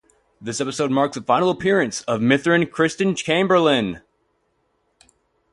This episode marks the final appearance Mythtern Christine Chamberlain.